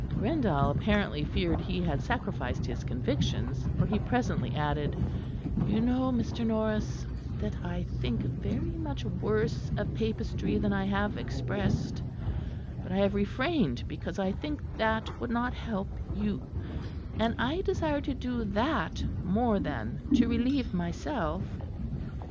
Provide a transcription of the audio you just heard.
Grindal apparently feared he had sacrificed his convictions, for he presently added: "You know, Mr. Norris, that I think very much worse of Papistry than I have expressed; but I have refrained because I think that would not help you; and I desire to do that more than to relieve myself."